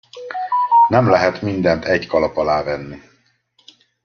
Nem lehet mindent egy kalap alá venni.